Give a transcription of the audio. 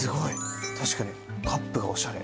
確かにカップがおしゃれ。